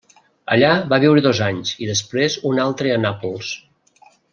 Allà va viure dos anys i després un altre a Nàpols.